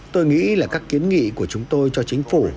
tôi nghĩ là các kiến nghị của chúng tôi cho chính phủ